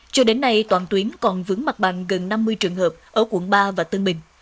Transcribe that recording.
cho đến nay toàn tuyến còn vững mặt bằng gần năm mươi trường hợp ở quận ba và tân bình